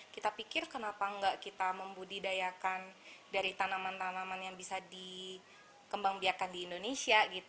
kita pikir kenapa enggak kita membudidayakan dari tanaman tanaman yang bisa dikembang biarkan di indonesia